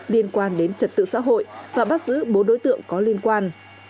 liên quan đến trật tự xã hội và bắt giữ bốn đối tượng có liên quan